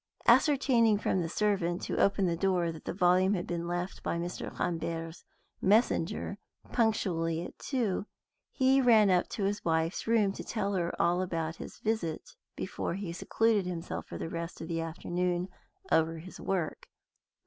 Ascertaining from the servant who opened the door that the volume had been left by Mr. Rambert's messenger punctually at two, he ran up to his wife's room to tell her about his visit before he secluded himself for the rest of the afternoon over his work.